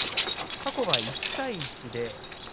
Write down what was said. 過去は１対１。